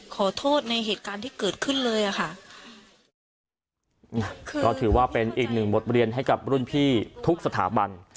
ก็ถือว่าเป็นอีกหนึ่งบทเรียนให้กับรุ่นพี่ทุกสถาบัน